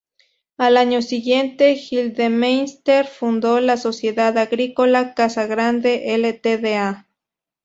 Al año siguiente, Gildemeister fundó la Sociedad Agrícola Casa Grande Ltda.